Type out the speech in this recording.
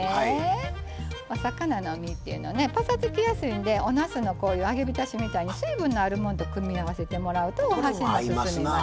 お魚の身っていうのはねぱさつきやすいんでおなすのこういう揚げびたしみたいに水分のあるもんと組み合わせてもらうとお箸も進みます。